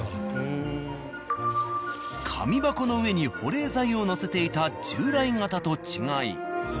紙箱の上に保冷剤を載せていた従来型と違い